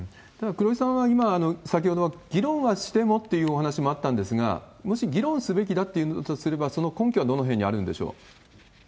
ただ、黒井さんは今、先ほど、議論はしてもっていうお話もあったんですが、もし議論すべきだとすれば、その根拠はどのへんにあるんでしょう？